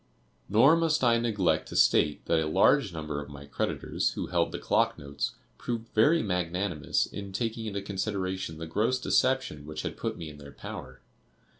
Nor must I neglect to state that a large number of my creditors who held the clock notes, proved very magnanimous in taking into consideration the gross deception which had put me in their power.